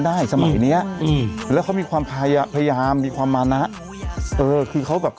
สมัยเนี้ยอืมแล้วเขามีความพยายามพยายามมีความมานะเออคือเขาแบบ